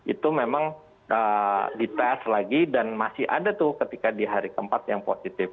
itu memang di tes lagi dan masih ada tuh ketika di hari ke empat yang positif